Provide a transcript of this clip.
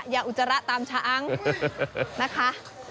อุจจาระตามช้างนะคะ